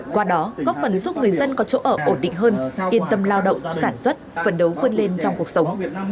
qua đó góp phần giúp người dân có chỗ ở ổn định hơn yên tâm lao động sản xuất phần đấu vươn lên trong cuộc sống